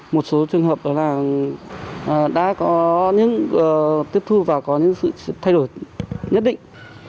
một số trường hợp đó là đã có những tiếp thu và có những sự thay đổi nhất định